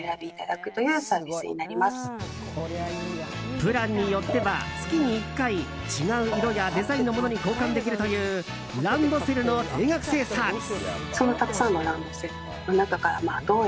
プランによっては月に１回違う色やデザインのものに交換できるというランドセルの定額制サービス。